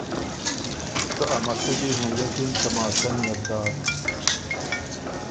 که ا مسُودی هېئکِن تماشۀ نيې بو داک